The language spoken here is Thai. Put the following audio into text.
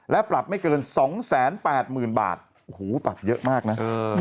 และปรับไม่เกิน๒๘๐๐๐บาทโอ้โหปรับเยอะมากนะ